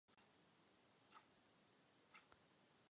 O výsledcích pak informuje kapitána.